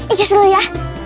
inces dulu ya